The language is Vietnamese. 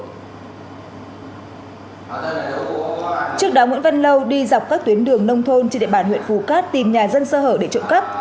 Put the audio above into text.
trước đó nguyễn văn lâu đi dọc các tuyến đường nông thôn trên địa bàn huyện phù cát tìm nhà dân sơ hở để trộm cắp